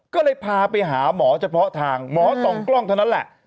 ก็เลยพาไปหาหมอเฉพาะทางหมอส่องกล้องเท่านั้นแหละ